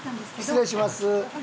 失礼します。